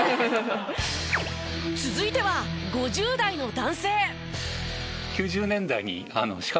続いては５０代の男性。